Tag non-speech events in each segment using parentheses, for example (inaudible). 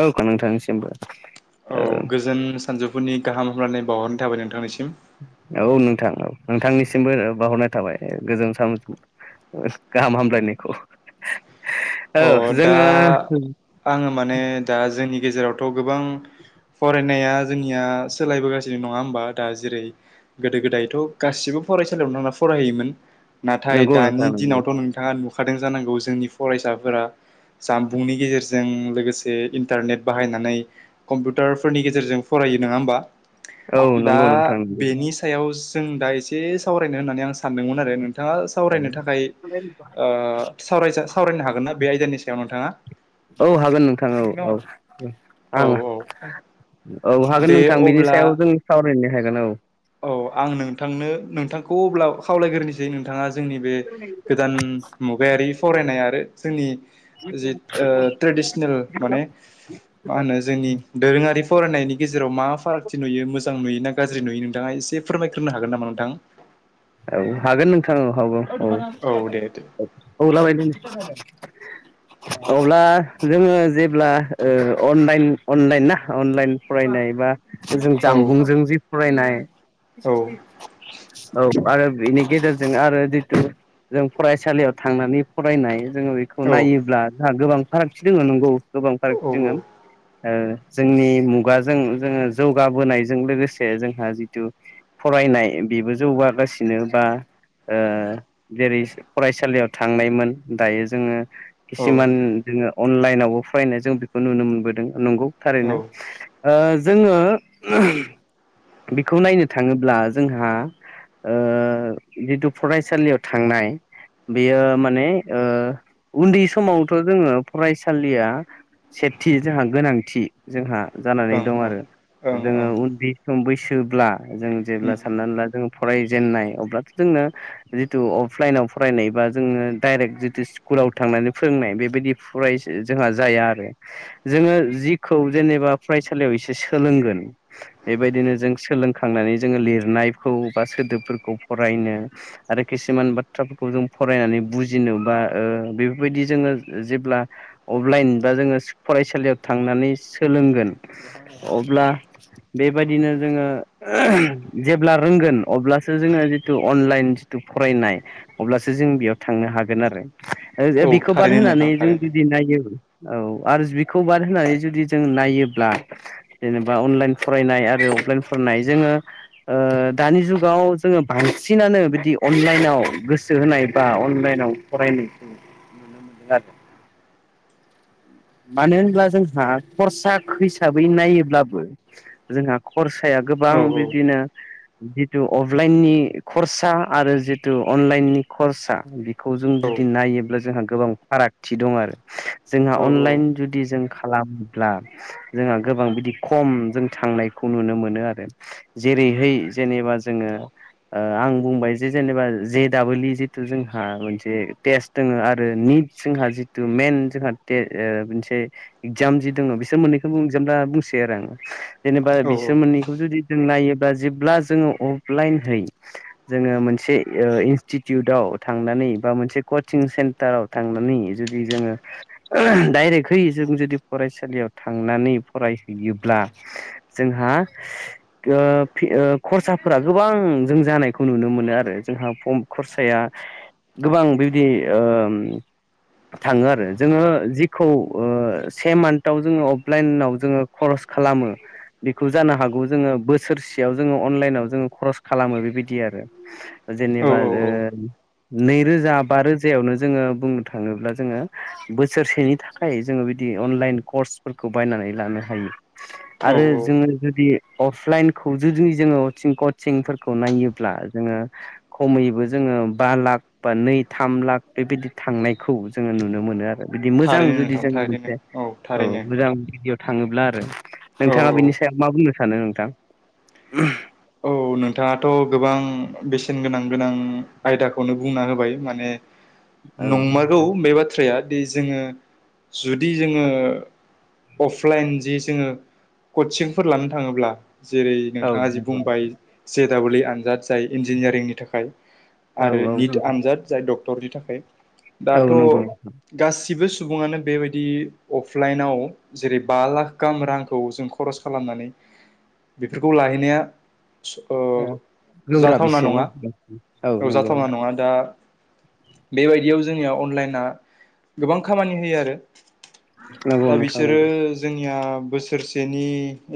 औ नोंथांनिसिमबो औ गोजोन सानजौफुनि गाहाम हामलायनाय बावहरनाय थाबाय नोंथांनिसिम औ नोंथां औ ।नोंथांनिसिमबो बाहरनाय थाबाय गोजोनथान गोजोन सा गाम हामलायनायखौ औ अ दा जोङो आङो माने दा जोंनि गेजेरावथ' गोबां फरायनाया जोंनिया सोलायबोगासिनो नङा होमबा दा जेरै गोदो गोदायथ' गासिबो फरायसालियाव नो थांना फरायहैयोमोन नाथाय नंगौ नोंथां दानि नंगौ दिनावथ' नोंथाङा नुखादों जानांगौ जोंनि फरायसाफोरा जानबुंनि गेजेरजों लोगोसे इन्टारनेट बाहायनानै कम्पिउटारफोरनि गेजेरजों फरायो नङा होमबा! औ दा नंगौ नोंथां नंगौ बेनि सायाव जों दा एसे सावरायनो होननानै आं सानदोंमोन आरो नों थाङा सावरायनो थाखाय ओ सावजा-सावरायनो हागोन ना बे आयदानि सायाव नोंथाङा? औ हागोन नोंथां। औ औ औ आं औ औ हागोन दे नोंथां बिनि अब्ला सायाव जों सावरायनो हागोन औ। औ आं नोंथांनो नोंथांखौ अब्ला खावलायग्रोसै नोंथाङा जोंनि बे गोदान मुगायारि फरायनाय आरो जोंनि जि मान मा होन जोंनि दोरोङारि फरायनायनि गेजेराव मा फारागथि नुयो मोजां नुयो ना गाज्रि नुयो नो थाङा एसे फोरमायग्रोनो हागोन नामा नोंथां? औ हागोन नोंथां औ औ औ दे दे औ औ लाबायदों। (inaudible) अब्ला जोङो जेब्ला अनलाइन अनलाइन ना अनलाइन फरायनाय बा जों औ जामबुंजों जि फरायनाय औ औ आरो बिनि गेजेरजों आरो जितु जों फरायसालियाव थांनानै फरायनाय जोङो बेखौ औ नायोब्ला जोंहा गोबां फारागथि दङ नंगौ गोबां औ औ ओं फारागथि दङ जोंनि मुगाजों जोङो जौगाबोनायजों लोगोसे जोंहा जिथु फरायनाय बेबो जौगागासिनो बा जेरै फरायसालियाव थांनायमोन दायो जोङो खिसुमान जोङो अनलाइनावबो फरायनाय जों बेखौ नुनो मोनबोदों नंगौ थारैनो ओं जोङो बेखौ नायनो थाङोब्ला जोंहा जिथु फरायसालियाव थांनाय बेयो माने उन्दै समावथ' जोङो फरायसालिया सेथि जोंहा गोनांथि जोंहा जानानै दं आरो ओं जोङो ओं उन्दै सम बैसोब्ला जों जेब्ला उम साननानै ला जों फरायजेेननाय अब्लाथ' जोंनो जिथु अफलाइनाव फरायनाय बा जोंनो डाइरेक्ट जिथु स्कुल स्कुलाव थांनानै फोरोंनाय बेबायदि फरायक्षजोंहा जाया आरो जोङो जिखौ जेनेबा फरायसालियाव एसे सोलोंगोन बेबायदिनो जों सोलोंखांनानै जोङो लिरनायखौ बा सोदोबफोरखौ फरायनो आरो खिसुमान बाथ्राफोरखौ जों फरायनानै बुजिनो बा बेफोरबायदि जोङो जेब्ला अफलाइन बा जोङो फरायसालियाव थांनानै सोंलों अब्ला बेबायदिनो जोङो जेब्ला रोंगोन। अब्लासो जोङो जिथु अनलाइन जिथु फरायनाय अब्लासो जों बेयाव थांनो हागोन आरो। औ बिखौ बाद थारैनो होनानै नोंथां जों थारैनो जुदि नाययो औ आरो बिखौ बाद होनानै जुदि जों नायोब्ला जेनेबा अनलाइन फरायनाय आरो अफलाइन फरायनाय जोङो ओ दानि जुग गाव जोङो बांसिनानो बिदि अनलाइनाव गोसो होनाय बा अनलाइनाव फरायनायखौ नुनो मोनदों आरो। मानो होनब्ला जोंहा खरसा हिसाबै नायोब्लाबो जोंहा खरसाया गोबां औ बिदिनो जिथु अफलाइननि खरसा आरो जिथु अनलाइननि खरसा बेखौ जों औ बि नायोब्ला जोंहा गोबां फारागथि दं आरो औ जोंहा अनलाइन जुदि जों खालामोब्ला जोंहा गोबां बिदि खम जों थांनायखौ नुनो मोनो। मोनो आरो जेरैहाय जेनेबा जोङो आं बुंबाय जे जेनेबा जे दाबल इ जिथु जोंहा मोनसे टेस्ट दङ आरो निट जोंहा जिथु मेइन जोंहा मोनसे एगजाम जि दङ बिसोर मोननैखौ एगजाम दा बुंसै आरो आङो जेनेबा बिसोर मोननैखौ जुदि जों नायोब्ला जेब्ला जोङो अफलाइनहै जोङो मोनसे इनस्टिटिउटआव थांनानै बा मोनसे कचं सेन्टाराव थांनानै जुदि जोङो डाइरेक्टहै जों जुदि फरायसालियाव थांनानै फरायहैयोब्ला जों जोंहा खरसाफोरा गोबां जों जानायखौ नुनो मोनो आरो जोंहा खरसाया गोबां बिबायदि थाङो आरो। जोङो जिखौ से मान्थाव जोङो अफलाइनाव जोङो खरस खालामो बेखौ जानो हागौ जोङो बोसोरसेयाव जोङो अनलाइनाव जोङो खरस खालामो बेबायदि आरो औ जेनेबा नैरोजा बा रोजायावनो जोङो बुंनो थाङोब्ला जोङो बोसोरसेनि थाखाय जोङो बिदि अनलाइन कर्सफोरखौ बायनानै लानो हायो आरो औ जोङो जुदि अफलाइनखौ जुदि जोङो कचिंफोरखौ नायोब्ला जोङो खमैबो जोङो बा लाख बा नै थाम लाख बेबायदि थांनायखौ जोङो नुनो मोनो आरो बिदि मोजां थारैनो जुदि नोंथां जों थारैनो मोनसे औ थारैनो मोजां भिदिअ' थाङोब्ला आरो औ नोंथाङा औ बिनि सायाव मा बुंनो सानो नोंथां? औ नोंथाङाथ' गोबां बेसेन गोनां गोनां आयदाखौनो बुंना होबाय माने औ नंमारगौ नोंथां बे बाथ्राया दि जोङो जुदि जोङो अफलाइन जि जोङो कचिंफोर लानो थाङोब्ला जेरै औ नोंथाङा जि नंगौ बुंबाय जे डाबल ए आनजाद जाय इन्जिनियारिंनि थाखाय औ आरो निट नंगौ आनजाद जाय डक्टरनि थाखाय औ दाथ नंगौ गासिबो सुबुङानो बेबायदि अफलाइनाव, जेरै बा लाख गाहाम रांखौ जों खरस खालामनानै बेफोरखौ लाहैनाया ओ गोब्राब जाथावना एसे न नङा औ नंगौ जाथावना नोंथां नङा दा बेबायदियाव जोंनिया अनलाइना गोबां खामानि होयो आरो। नंगौ दा नोंथां बिसोरो नंगौ जों निया बोसोरसेनि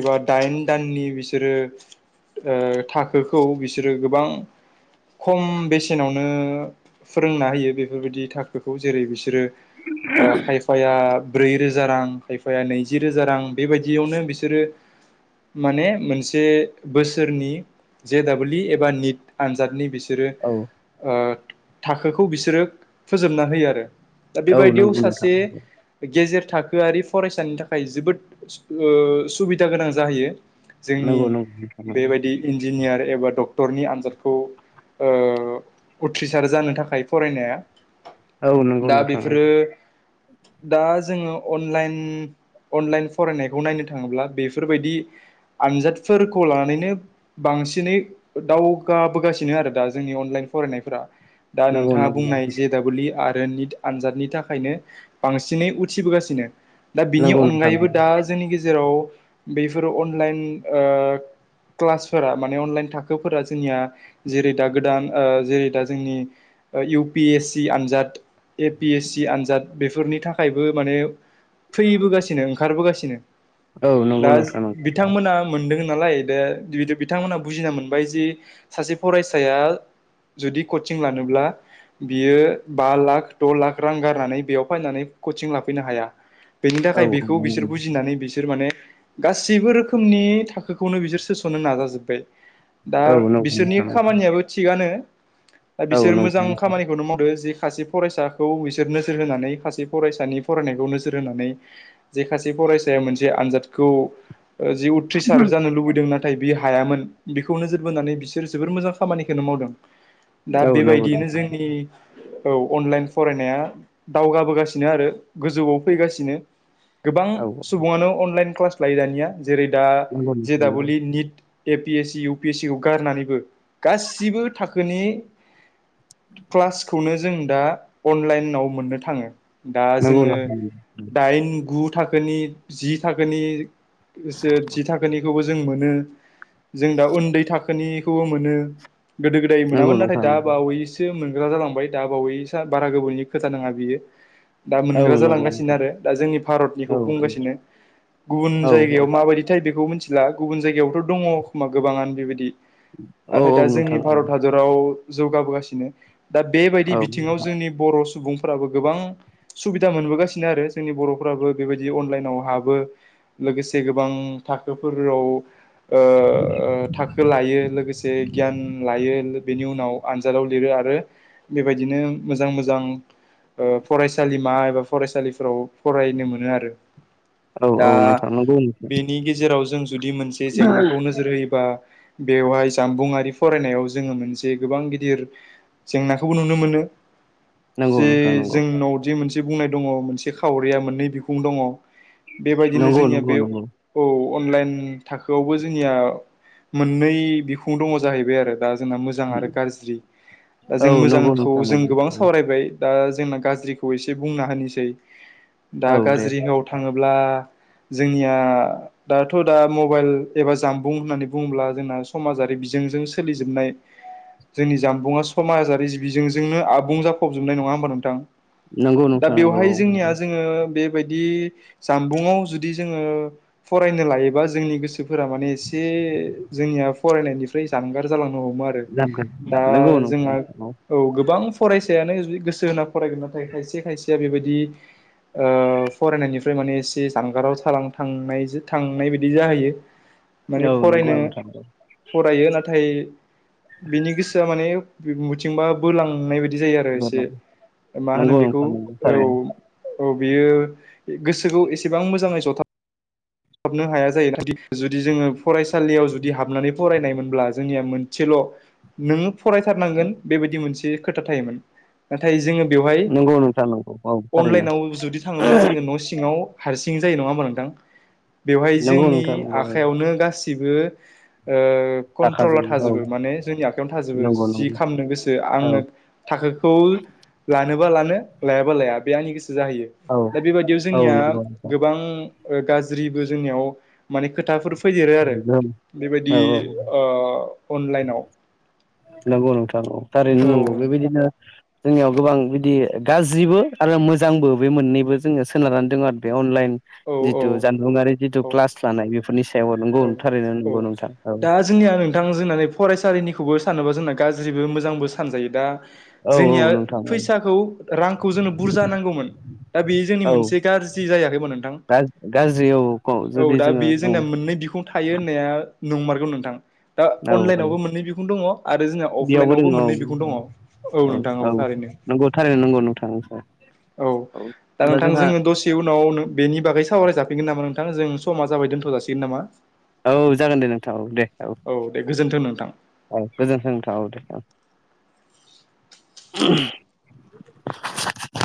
एबा दाइन दाननि बिसोरो ओ थाखोखौ बिसोरो गोबां खम बेसेनावनो फोरोंना होयो बेफोरबायदि थाखोखौ जेरै बिसोर सोरो ओ खायफाया ब्रै रोजा रां खायफाया नैजि रोजा रां बेबायदियावनो बिसोरो माने मोनसे बोसोरनि जे दाबल इ एबा निट आनजादनि बिसोरो औ ओ थाखोखौ बिसोरो फोजोबना होयो आरो दा औ बेबायदियाव नंगौ नोंथां सासे गेजेर थाखोआरि फरायसानि थाखाय जोबोद सुबिदा गोनां जाहैयो। जोंनि नंगौ नंगौ। नंगौ बेबायदि इन्जिनियार एबा डक क्टरनि आनजादखौ ओ उथ्रिसार जानो थाखाय फरायनाया औ नंगौ दा नोंथां बेफोरो दा जोङो अनलाइन अनलाइन फरायनायखौ नायनो थाङोब्ला बेफोरबायदि आनजादफोर खौ लानानैनो बांसिनै दावगाबोगासिनो आरो दा जोंनि अनलाइन फरायनायफोरा। दा नंगौ नोंथाङा नंगौ बुंनाय जे डाबल इ आर रो निट आनजादनि थाखायनो बांसिनै उथिबोगासिनो। दा बिनि नंगौ नोंथां अनगायैबो दा जोंनि गेजेराव बेफोरो अनलाइन ओ क्लासफोरा माने अनलाइन थाखोफोरा जोंनिया जेरै दा गोदान ओ जेरै दा जोंनि इउ पि एस सि आनजाद ए पि एस सि आनजाद बेफोरनि थाखायबो माने फैबोगासिनो ओंखारबोगासिनो औ नंगौ दा नोंथां नंगौ बिथांमोना मोनदों होन दे बिथांमोनहा बुजिना मोनबाय जि सासे फरायसाया जुदि कचिं लानोब्ला बियो बा लाख द' लाख रां गारनानै बेयाव फायनानै कचिं लाफैनो हाया। बेनि औ थाखाय बेखौ बिसोर बुजिनानै बिसोर माने गासैबो रोखोमनि थाखोखौनो बिसोर सोस'नो नाजाजोब्बाय‌ दा औ नंगौ बिसोरनि खामानियाबो थिगानो। दा औ नंगौ नोंथां औ बिसोर मोजां नंगौ खामानिखौनो मावदो जे खासे फरायसाखौ बिसोर नोजोर होनानै खासे फरायसानि फरायनायखौ नोजोर होनानै जे खासे फरायसाया मोनसे आनजादखौ जि उथ्रिसार जानो लुबैदों ना थाय बि हायामोन बेखौ नोजोर बोनानै बिसोर जोबोर मोजां खामानिखौनो मावदों। दा औ नंगौ बेबायदियैनो नोंथां जोंनि औ अनलाइन फरायनाया दावगाबोगासिनो आरो गोजौआव फैगासिनो। गोबां औ सुबुङानो अनलाइन क्लास लायो दानिया जेरै दा नंगौ जे नोंथां double E A P S C U P S C खौ गारनानैबो गासिबो थाखोनि क्लासखौनो जों दा अनलाइनाव मोननो थाङो। दा नंगौ जोङो नंगौ दाइन गु था‌ खोनि जि थाखोनि, जि थाखोनिखौबो जों मोन नो, जों दा उन्दै थाखोनिखौबो मोनो। गोदो गोदाय नोंथां नंगौ मोनामोन नाथाय नोंथां दा नंगौ बावैसो मो नग्रा जालांबाय दा बावै सो बारा गोबौनि खोथा नङा बियो। दा मोनग्रा औ नंगौ जालांगासिनो नोंथां आरो दा जोंनि भारतनिखौ औ बुंगासिनो गुबुन औ जायगायाव माबायदि थाय बेखौ मिथिला गुबुन जायगायावथ' दङ खोमा गोबाङानो बेबायदि औ नाथाय औ दा जोंनि नोंथां भारत हादराव जौगाबोगासिनो दा बेबायदि औ बिथिङाव जोंनि बर' सुबुंफोराबो गोबां सुबिदा मोनबोगासिनो आरो जोंनि बर'फ्राबो बेबायदि अनलाइनाव हाबो लोगोसे गोबां थाखोफोराव ओ थाखो लायो लोगोसे गियान लायो बेनि उनाव आनजादाव लिरो आरो बेबायदिनो मोजां मोजां ओ फरायसालिमा एबा फरायसालिफोराव फरायनो मोनो आरो औ औ दा नोंथां नंगौ नोंथां बेनि गेजेराव जों जुदि मोनसे जेंनाखौ नोजोर होयो बा बेवहाय जामबुंआरि फरायनायाव जोङो मोनसे गोबां गिदिर जेंनाखौबो नुनो मोनो नंगौ जे नोंथां नंगौ जोंनावदि मोनसे बुंनाय दङ मोनसे खावरिया मोननै बिखुं दङ बेबायदिनो नंगौ जोंनिया नंगौ बे नंगौ औ अनलाइन थाखोआवबो जोंनिया मोननै बिखुं दङ जाहैबाय आरो दा जोंना मोजां आरो गाज्रि दा औ जों नंगौ मोजांखौ नोंथां जों गोबां नंगौ सावरायबाय दा जोंना गाज्रिखौ एसे बुंना होनोसै दा औ दे गाज्रिआव थाङो ब्ला जोंनिया दाथ' दा मबाइल एबा जामबुं होन्नानै बुङोब्ला जोंना समाजारि बिजोंजों सोलिजोबनाय जोंनि जामबुंआ समाजारि जिबिजोंजोंनो आबुं जाफबजोबनाय नङा होमबा नोंथां नंगौ दा नोंथां नंगौ बेवहाय औ जोंनिया जोङो बे बायदि जानबुङाव जुदि जोङो फरायनो लायो बा जोंनि गोसोफोरा माने एसे जोंनिया फरायनायनिफ्राय जानगार जालांनो हम मो आरो जागोन दा नंगौ जोंहा नोंथां औ गोबां फराय सायानो गोसो होना फरायगोन नाथाय खायसे खायसेया बेबायदि ओ फरायनायनिफ्राय माने एसे जानगाराव थांलां थांनाय थांनाय बाय बिदि जाहैयो माने नंगौ फरायनो नोंथां फरायो नाथाय बिनि गोसोआ माने बबिथिंबा बोलांनाय बायदि बिदि जायो आरो एसे मा होनो नंगौ बेखौ नोंथां नंगौ औ थारैनो औ बेयो गोसोखौ एसेबां मोजाङै जथा बनो हाया जायो जुदि जोङो फरायसालियाव जुदि हाबनानै फरायनायमोनब्ला जोंनिया मोनसेल' नोङो फरायथारनांगोन बेबायदि मोनसे खोथा थायोमोन नाथाय जोङो बेवहाय नंगौ नोंथां नंगौ औ थारैनो अनलाइनाव जुदि थाङोब्ला जोङो न' सिङाव हारसिं जायो नङा होमबा नोंथां बेवहाय नंगौ जोंनि नोंथां नंगौ औ आखायावनो गासिबो ओ थाखाजों कन्ट्रला औ थाजोबो माने जोंनि आखायावनो थाजोबो नंगौ जि नंगौ खालामनो गोसो आङो औ थाखोखौ ला नोबा लानो लायाबा लाया बे आंनि गोसो जाहैयो औ दा बेबायदियाव औ जोंनिया नंगौ नोंथां गोबां गाज्रिबो जोंनियाव माने खोथाफोर फैदेरो आरो औ बेबायदि औ ओ अनलाइनाव नंगौ नोंथां औ थारैनो औ नंगौ नोंथां बेबायदिनो जोंनियाव गोबां बिदि गाज्रिबो आरो मोजांबो बे मोननैबो जोङो सोनारनानै दङ आरो बे अनलाइन औ औ जिथु जानबुंआरि जिथु औ क्लास लानाय बेफोरनि सायाव नोंगौ औ थारैनो औ नंगौ नों दा जोंनिया नोंथां जोंना फरायसालिनिखौबो सानोबा जोंना गाज्रिबो मोजांबो सानजायो दा औ औ जोंनिया नोंथां औ फैसाखौ रांखौ जोंनो बुरजा नांगौमोन। दा बेयो जोंनि औ मोनसे गाज्रि जायाखै होनबा नोंथां? गाज्रि औ औ जुदि दा जोङो बेयो औ जोंना मोननै बिखुं थायो होननाया नंमारगौ नोंथां। दा औ औ अनलाइनावबो मोननै बिखुं दङ आरो जोंना बेयावबो दङ अफलाइनावबो औ मोननै बिखुं दङ औ नोंथां औ थारैनो। नोंगौ थारैनो नोंगौ नोंथां नोंगौ। औ दा नोंथां जोङो दसे उनाव बेनि बागै सावराय जाफिनगोन नामा नोंथां? जों समा जाबाय दोनथ' जासिगोन नामा? औ जागोन दे नोंथां औ दे। औ दे गोजोन्थों नोंथां औ गोजोनथों नोंथां औ दे ओं। (unintelligible)